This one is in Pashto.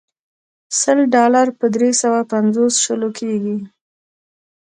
سل ډالر په درې سوه پنځوس شلو کېږي.